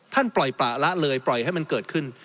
ปล่อยประละเลยปล่อยให้มันเกิดขึ้น